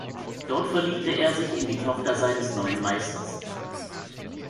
Dort verliebt er sich in die Tochter seines neuen Meisters.